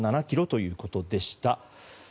５７ｋｍということでした。